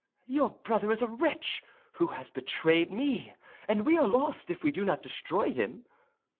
"Your brother is a wretch who has betrayed me, and we are lost if we do not destroy him."